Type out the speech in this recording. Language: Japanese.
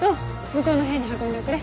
向こうの部屋に運んでおくれ。